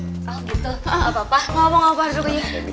oh gitu gapapa gapapa duduk